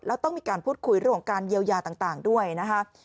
แล้วต้องมีการพูดคุยเรื่องของการเยียวยาต่างด้วยนะคะ